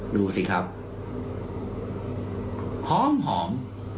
ดูสิครับหอมหอม